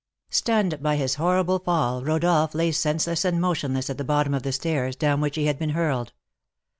Stunned by his horrible fall, Rodolph lay senseless and motionless at the bottom of the stairs, down which he had been hurled.